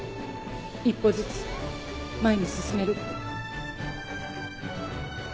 一歩ずつ前に進めるって。